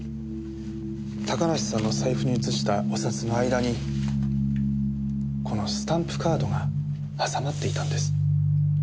高梨さんの財布に移したお札の間にこのスタンプカードが挟まっていたんです。